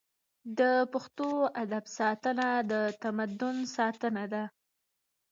د پښتو ادب ساتنه د تمدن ساتنه ده.